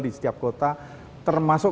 di setiap kota termasuk